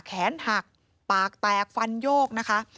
แขนหักปากแตกฟันโยกนะคะ